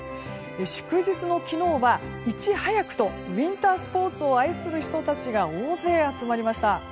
祝日の昨日は、いち早くとウィンタースポーツを愛する人たちが大勢集まりました。